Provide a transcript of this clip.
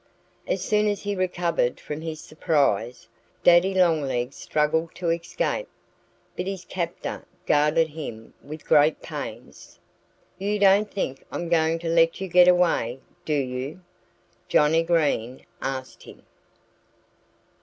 As soon as he recovered from his surprise, Daddy Longlegs struggled to escape. But his captor guarded him with great pains. "You don't think I'm going to let you get away, do you?" Johnnie Green asked him.